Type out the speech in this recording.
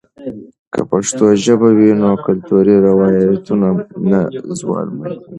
که پښتو ژبه وي، نو کلتوري روایتونه نه زوال مومي.